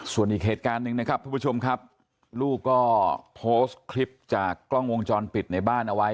ส่วนอีกเหตุการณ์หนึ่งนะครับทุกผู้ชมครับลูกก็โพสต์คลิปจากกล้องวงจรปิดในบ้านเอาไว้